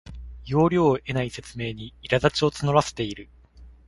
要領を得ない説明にいらだちを募らせている